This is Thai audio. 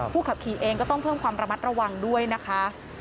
ขับขี่เองก็ต้องเพิ่มความระมัดระวังด้วยนะคะ